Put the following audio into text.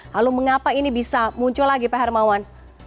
lalu mengapa ini bisa muncul lagi pak hermawan